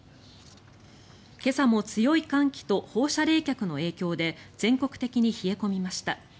今朝も強い寒気と放射冷却の影響で全国的に冷え込みました。